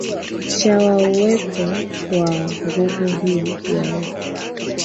cha wa uwepo wa nguvu hii ya umma